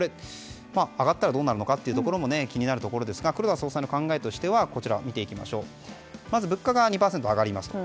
上がったらどうなるのかも気になるところですが黒田総裁の考えとしてはまず物価が２％上がりますと。